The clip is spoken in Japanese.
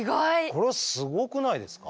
これすごくないですか。